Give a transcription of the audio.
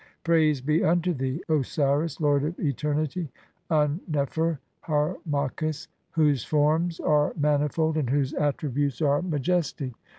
"Praise be unto thee, "O Osiris, lord of eternity, Un nefer, Harmachis, "whose forms are manifold, and whose attributes are "majestic